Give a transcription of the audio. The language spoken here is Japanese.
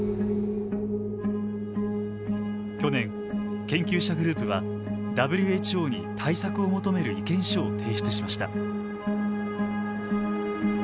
去年研究者グループはＷＨＯに対策を求める意見書を提出しました。